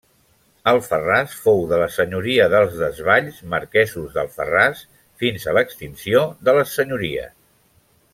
Alfarràs fou de la senyoria dels Desvalls, marquesos d'Alfarràs, fins a l'extinció de les senyories.